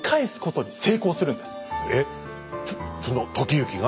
えっその時行が？